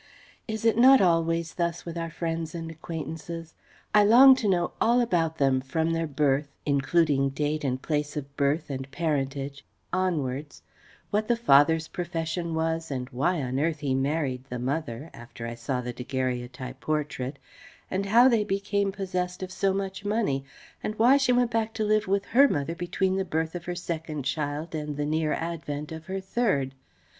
Is it not always thus with our friends and acquaintances? I long to know all about them from their birth (including date and place of birth and parentage) onwards; what the father's profession was and why on earth he married the mother (after I saw the daguerreotype portrait), and how they became possessed of so much money, and why she went back to live with her mother between the birth of her second child and the near advent of her third.